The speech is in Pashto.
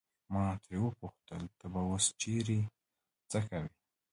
ما ترې وپوښتل ته به اوس چیرې یې او څه کوې.